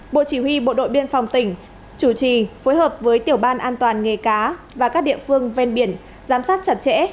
bộ chỉ huy bộ đội biên phòng tỉnh chủ trì phối hợp với tiểu ban an toàn nghề cá và các địa phương ven biển giám sát chặt chẽ